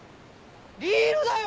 リールだよ！